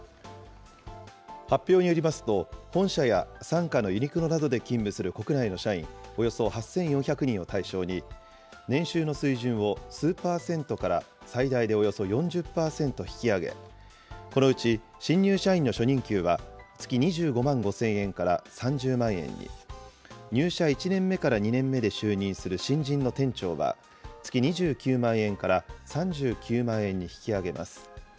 発表によりますと、本社や傘下のユニクロなどで勤務する国内の社員およそ８４００人を対象に、年収の水準を数％から最大でおよそ４０％引き上げ、このうち新入社員の初任給は月２５万５０００円から３０万円に、入社１年目から２年目で就任する新人の店長は、月２９万円から３９万円に引き上げます。